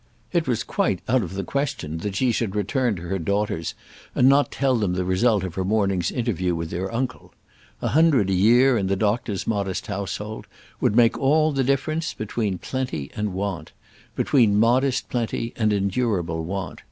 It was quite out of the question that she should return to her daughters and not tell them the result of her morning's interview with their uncle. A hundred a year in the doctor's modest household would make all the difference between plenty and want, between modest plenty and endurable want.